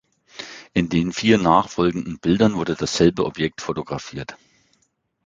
In den vier nachfolgenden Bildern wurde dasselbe Objekt fotografiert.